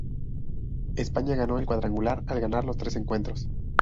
España ganó el cuadrangular al ganar los tres encuentros.